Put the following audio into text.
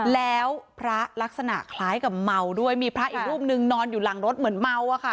แล้วพระลักษณะคล้ายกับเมาด้วยมีพระอีกรูปนึงนอนอยู่หลังรถเหมือนเมาอะค่ะ